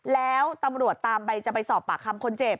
แล้วตำรวจตามไปจะไปสอบปากคำคนเจ็บ